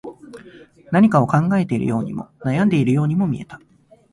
何かを考えているようにも、悩んでいるようにも見えた